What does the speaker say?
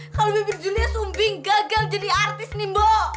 kalau bibir julia sumbing gagal jadi artis nih mbok